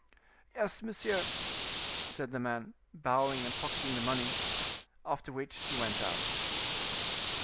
"Yes, monsieur," said the man, bowing and pocketing the money. After which he went out.